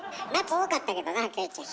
多かったけどなキョエちゃん。